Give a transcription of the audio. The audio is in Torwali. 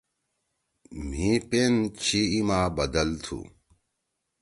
مھی پِن چھی ای ما بدل تُھو۔